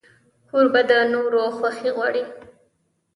کوربه د نورو خوښي غواړي.